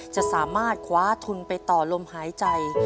จะสามารถคว้าทุนไปต่อลมหายใจ